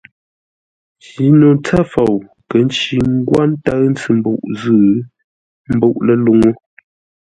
Njino ntsə́ fou nkə̂ ncí ńgwó ńtə́ʉ ntsʉ-mbuʼ zʉ́ ḿbúʼ ləluŋú.